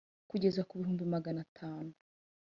kugeza ku bihumbi magana atanu